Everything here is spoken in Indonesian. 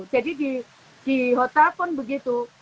jadi di hotel pun begitu